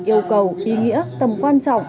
yêu cầu ý nghĩa tầm quan trọng